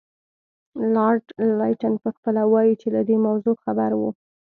لارډ لیټن پخپله وایي چې له دې موضوع خبر وو.